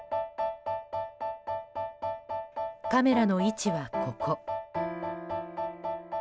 カメラの位置はここ。